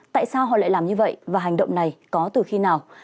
tại sao họ lại làm như vậy và hành động này có từ khi nào